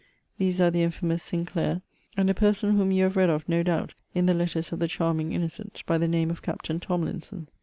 These are the infamous Sinclair, and a person whom you have read of, no doubt, in the letters of the charming innocent, by the name of Captain Tomlinson.